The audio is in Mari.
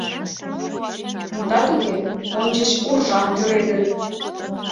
Мутат уке, ончыч уржам тӱредыт.